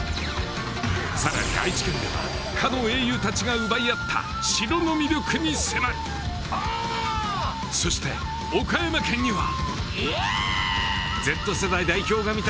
さらに愛知県ではかの英雄たちが奪い合った城の魅力に迫るそして岡山県にはイヤーッ！